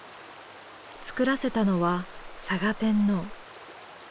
造らせたのは嵯峨天皇。